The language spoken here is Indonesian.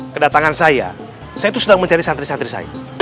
kedatangan saya saya itu sedang mencari santri santri saya